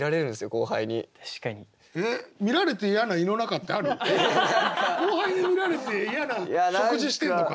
後輩に見られて嫌な食事してんのか。